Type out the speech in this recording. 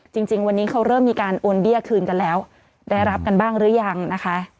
จริงวันนี้เขาเริ่มมีการโอนเบี้ยคืนกันแล้วได้รับกันบ้างหรือยังนะคะ